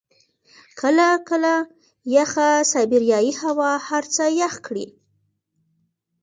کله کله یخه سایبریايي هوا هر څه يخ کړي.